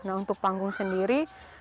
nah untuk panggung sendiri